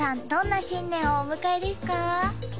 どんな新年をお迎えですか？